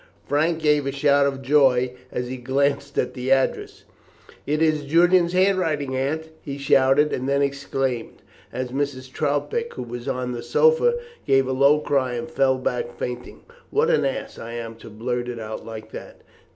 Frank gave a shout of joy as he glanced at the address. "It is Julian's handwriting, Aunt," he shouted, and then exclaimed, as Mrs. Troutbeck, who was on the sofa, gave a low cry and fell back fainting, "What an ass I am to blurt it out like that!"